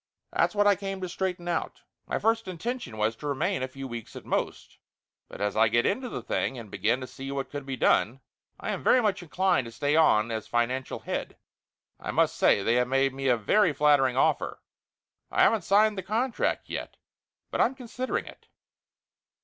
That's what I came to straighten out. My first intention was to remain a few weeks at most, but as I get into the thing and begin to see what could be done, I am very much inclined to stay on as financial head. I must say they have made me a very flattering offer. I haven't signed the contract yet, but I'm considering it."